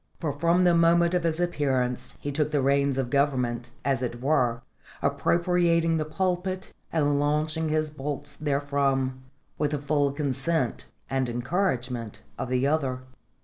For from the moment of his appearance he took the reins of government, as it were, appropriating the pulpit and launching his bolts therefrom, with the full consent and encouragement of the other.